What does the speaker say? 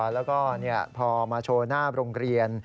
แล้วก็พอมาโชว์หน้าโรงเรียน